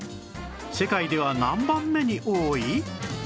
世界では何番目に多い？